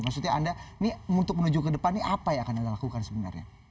maksudnya anda ini untuk menuju ke depan ini apa yang akan anda lakukan sebenarnya